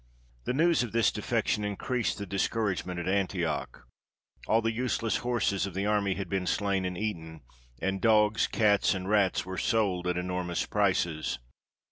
The news of this defection increased the discouragement at Antioch. All the useless horses of the army had been slain and eaten, and dogs, cats, and rats were sold at enormous prices.